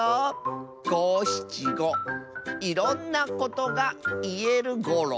「ごしちごいろんなことがいえるゴロ」。